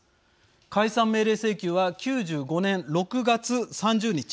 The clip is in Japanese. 解散命令請求は９５年６月３０日。